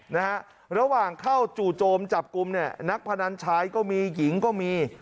นะฮะระหว่างเข้าจู่โจมจับกลุ่มเนี่ยนักพนันชายก็มีหญิงก็มี